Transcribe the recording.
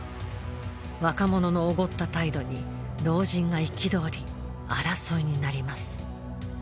若者のおごった態度に老人が憤り争いになります。